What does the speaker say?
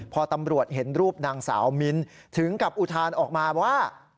พอตำรวจเห็นรูปนางสาวมิ้นถึงกับอุทานออกมาว่า